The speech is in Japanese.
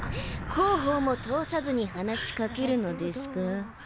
広報も通さずに話しかけるのですか？